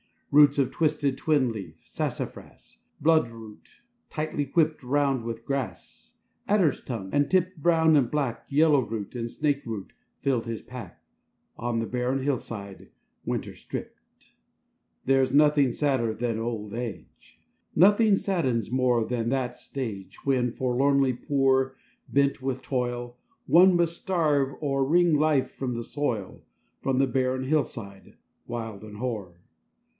Roots of twisted twin leaf; sassafras; Bloodroot, tightly whipped round with grass; Adder's tongue; and, tipped brown and black, Yellowroot and snakeroot filled his pack, On the barren hillside, winter stripped. There is nothing sadder than old age; Nothing saddens more than that stage When, forlornly poor, bent with toil, One must starve or wring life from the soil, From the barren hillside, wild and hoar.